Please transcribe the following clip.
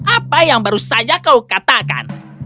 apa yang baru saja kau katakan